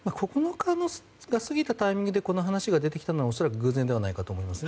９日が過ぎたタイミングでこの話が出てきたのは偶然だと思います。